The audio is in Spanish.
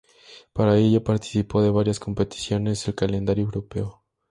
Para ello participó de varias competiciones del calendario europeo.